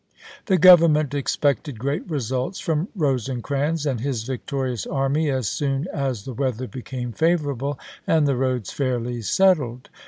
The Government expected great results from Eosecrans and his victorious army as soon as the weather became favorable and the roads fairly settled.